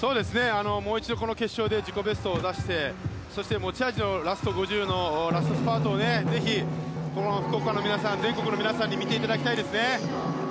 もう一度、この決勝で自己ベストを出してそして持ち味のラスト５０ｍのラストスパートをぜひ、この福岡の皆さん全国の皆さんに見ていただきたいですね。